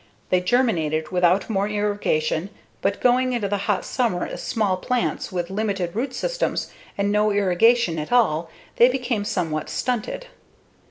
They germinated without more irrigation, but going into the hot summer as small plants with limited root systems and no irrigation at all they became somewhat stunted.